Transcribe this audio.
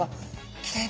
きれいな。